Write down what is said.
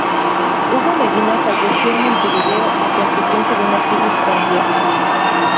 Hugo Medina falleció en Montevideo, a consecuencia de una crisis cardíaca.